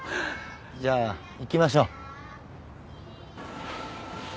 じゃあ行きましょう。